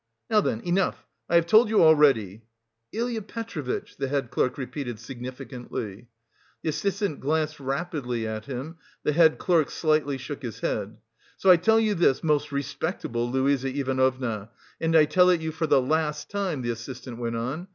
"Now then! Enough! I have told you already..." "Ilya Petrovitch!" the head clerk repeated significantly. The assistant glanced rapidly at him; the head clerk slightly shook his head. "... So I tell you this, most respectable Luise Ivanovna, and I tell it you for the last time," the assistant went on.